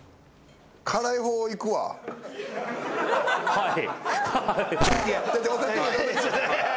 はい。